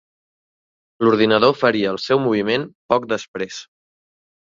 L'ordinador faria el seu moviment poc després.